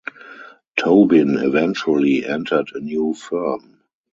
Tobin eventually entered a new firm.